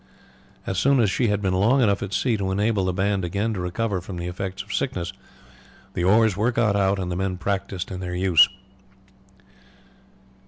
As soon as she had been long enough at sea to enable the band again to recover from the effects of sickness the oars were got out and the men practised in their use.